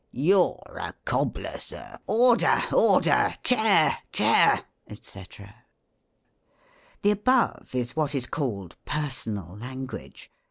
"You 're a cobler, Sir!" (Order! order I chair! chair ! &c. The above is what is called personal language.